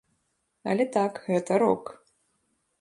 Але так, гэта рок.